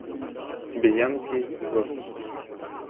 Біанкі, В.